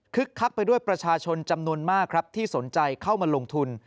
คักไปด้วยประชาชนจำนวนมากครับที่สนใจเข้ามาลงทุน